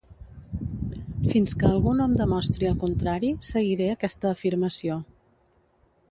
Fins que algú no em demostri el contrari, seguiré aquesta afirmació.